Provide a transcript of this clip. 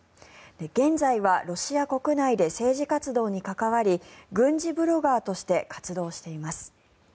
現在はロシア国内で政治活動に関わり軍事ブロガーとして活動しています。